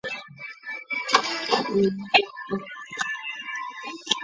新北市立双城国民小学是台湾新北市一所市立国民小学。